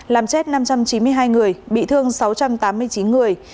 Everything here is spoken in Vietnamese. làm chết năm trăm chín mươi hai người bị thương sáu trăm tám mươi chín người